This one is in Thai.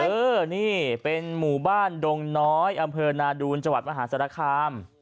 เออนี่เป็นหมู่บ้านดงน้อยอำเภอนาดูนจังหวัดมหาศาลคาม